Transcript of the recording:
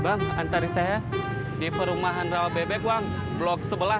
bang antar saya di perumahan rawabebek bang blok sebelas